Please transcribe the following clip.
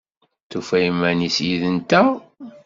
Tufa iman-is yid-nteɣ?